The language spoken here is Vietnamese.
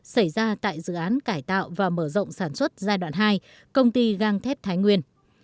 xảy ra tại dự án cải tạo và mở rộng sản xuất giai đoạn hai công ty gang thép thái nguyên